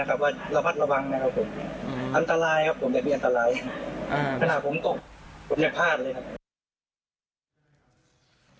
นะครับว่าระวัตรระวังนะครับผมอันตรายครับผมจะมีอันตรายอืม